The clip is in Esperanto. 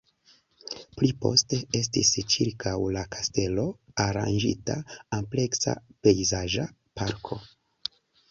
Pli poste estis ĉirkaŭ la kastelo aranĝita ampleksa pejzaĝa parko.